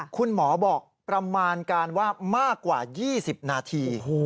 คุณหมอบอกประมาณการว่ามากกว่า๒๐นาที